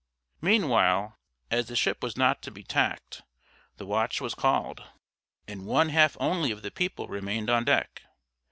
Meanwhile, as the ship was not to be tacked, the watch was called, and one half only of the people remained on deck.